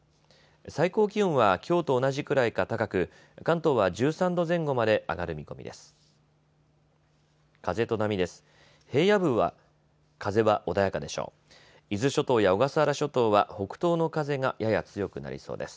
最高気温はきょうと同じくらいか高く、関東は１３度前後まで上がる見込みです。